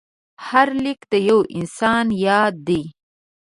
هر لیک د یو انسان یاد دی.